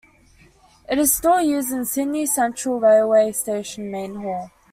It is still used in Sydney Central Railway Station main hall.